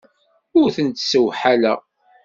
Ur tent-ssewḥaleɣ.